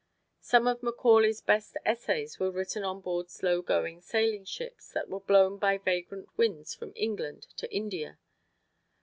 Some of Macaulay's best essays were written on board slow going sailing ships that were blown by vagrant winds from England to India.